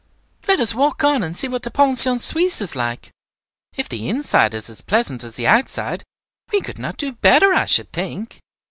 Let us walk on and see what the Pension Suisse is like. If the inside is as pleasant as the outside, we could not do better, I should think."